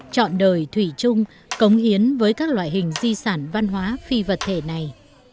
chọn đời thủy chung cống hiến với các loại hình di sản văn hóa phi vật thể này